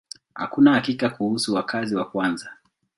Hakuna hakika kuhusu wakazi wa kwanza.